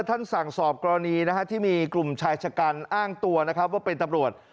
ท่านสั่งสอบกรณีที่มีกลุ่มชายชกันอ้างตัวว่าเป็นตับรวจ